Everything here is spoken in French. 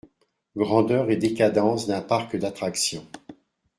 Grandeur et décadence d’un parc d’attractions.